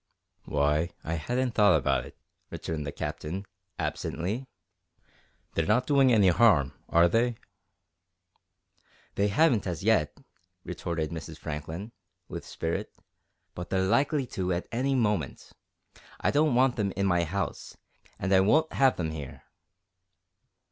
"Why, I hadn't thought about it," returned the Captain, absently. "They're not doing any harm, are they?" "They haven't as yet," retorted Mrs. Franklin, with spirit, "but they're likely to at any moment. I don't want them in my house, and I won't have them here!"